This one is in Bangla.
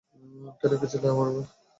কেন গিয়েছিলেন আমার রুমে?